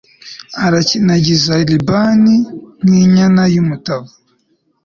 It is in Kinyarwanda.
arakinagiza libani nk'inyana y'umutavu